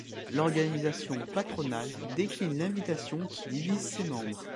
L'organisation patronale décline l'invitation qui divise ses membres.